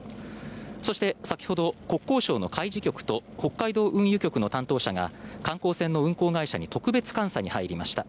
そして、先ほど国交省の海事局と黒海同運輸局の担当者が観光船の運航会社に特別監査に入りました。